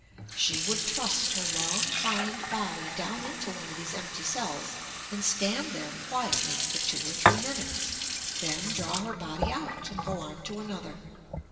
She would thrust her long hind body down into one of these empty cells and stand there quietly for two or three minutes. Then draw her body out and go on to another.